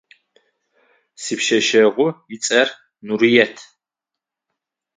Сипшъэшъэгъу ыцӏэр Нурыет.